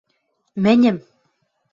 Мӹньӹм...